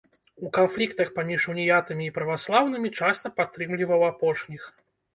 У канфліктах паміж уніятамі і праваслаўнымі часта падтрымліваў апошніх.